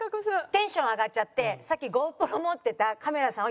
テンション上がっちゃってさっきＧｏＰｒｏ持ってたカメラさんを横に置く。